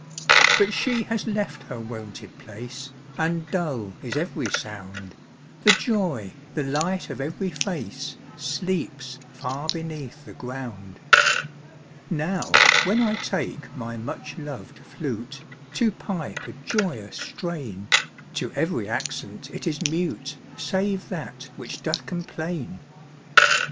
But she has left her wonted place, And dull is every sound, The joy, the light of every face, Sleeps far beneath the ground. Now, when I take my much loved flute, To pipe a joyous strain, ^ To every accent it is mute, Save that which doth complain.